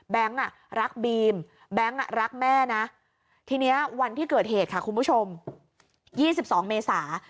รักบีมแบงค์รักแม่นะทีนี้วันที่เกิดเหตุค่ะคุณผู้ชม๒๒เมษา